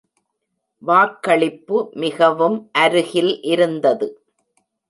வாக்களிப்பு மிகவும் அருகில் இருந்தது.